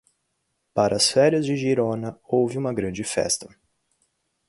Para as feiras de Girona, houve uma grande festa.